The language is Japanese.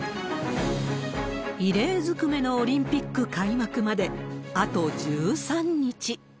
異例ずくめのオリンピック開幕まであと１３日。